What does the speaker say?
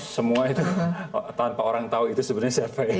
semua itu tanpa orang tahu itu sebenarnya siapa